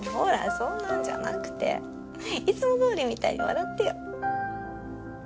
そんなんじゃなくていつもどおりみたいに笑ってよ。